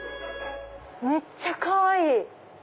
めっちゃかわいい！